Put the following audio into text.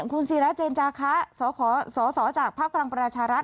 คุณซีราเจนจาคะสอสอจากภาพกรรมประชารัฐ